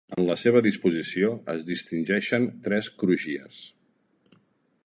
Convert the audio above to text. En la seva disposició es distingeixen tres crugies.